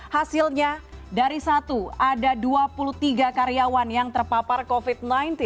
hasilnya dari satu ada dua puluh tiga karyawan yang terpapar covid sembilan belas